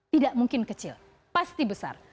tidak mungkin kecil pasti besar